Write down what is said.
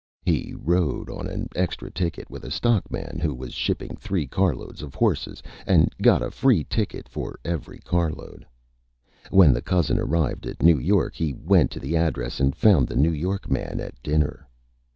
He rode on an Extra Ticket with a Stockman who was shipping three Car Load of Horses, and got a Free Ticket for every Car Load. When the Cousin arrived at New York he went to the address, and found the New York Man at Dinner.